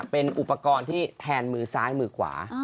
เป็นอุปกรณ์ที่แทนมือซ้ายมือขวา